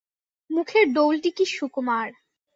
মুখের ডৌলটি কী সুকুমার!